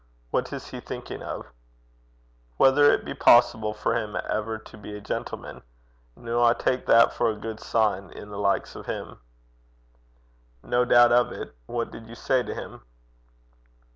What is he thinking of?' 'Whether it be possible for him ever to be a gentleman. Noo I tak that for a good sign i' the likes o' him.' 'No doubt of it. What did you say to him?'